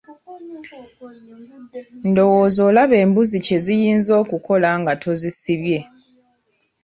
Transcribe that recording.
Ndowooza olaba embuzi kye ziyinza okukola nga tozisibye.